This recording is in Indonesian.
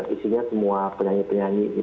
isinya semua penyanyi penyanyi